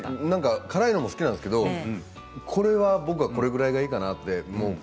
辛いのも好きなんですけど僕はこれぐらいがいいかなって。